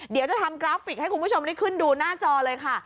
เดี๋ยวจะทำกราฟิกให้คุณผู้ชมได้ขึ้นดูหน้าจอเลยค่ะ